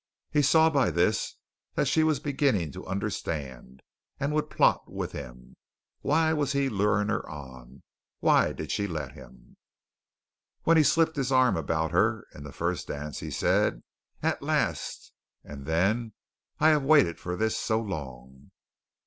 He saw by this that she was beginning to understand, and would plot with him. Why was he luring her on? Why did she let him? When he slipped his arm about her in the first dance he said, "At last!" And then: "I have waited for this so long."